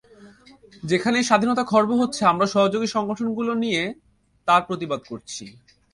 যেখানেই স্বাধীনতা খর্ব হচ্ছে, আমরা সহযোগী সংগঠনগুলোকে নিয়ে তার প্রতিবাদ করছি।